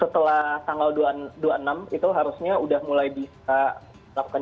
setelah tanggal dua puluh enam itu harusnya udah mulai disenjatuhkan